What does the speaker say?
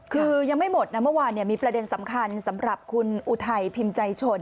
คือยังไม่หมดนะเมื่อวานมีประเด็นสำคัญสำหรับคุณอุทัยพิมพ์ใจชน